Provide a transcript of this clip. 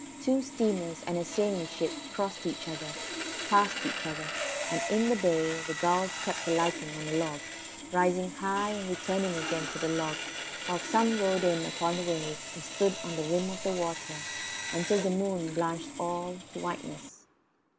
Two steamers and a sailing ship crossed each other; passed each other; and in the bay the gulls kept alighting on a log, rising high, returning again to the log, while some rode in upon the waves and stood on the rim of the water until the moon blanched all to whiteness.